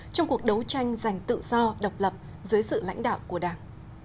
trong cuộc đấu tranh giành tự do độc lập dưới sự lãnh đạo của đảng